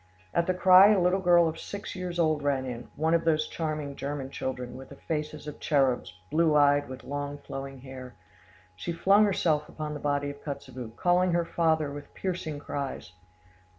At the cry a little girl of six years old ran in, one of those charming German children, with the faces of cherubs, blue eyed, with long flowing hair. She flung herself upon the body of Kotzebue, calling her father with piercing cries.